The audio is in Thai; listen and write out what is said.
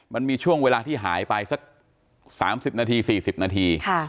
มันมีช่วงเวลาที่หายไปสัก๓๐นาที๔๐นาที